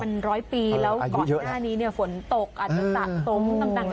มันร้อยปีแล้วก่อนหน้านี้ฝนตกอาจจะตะต้มต่างหน้า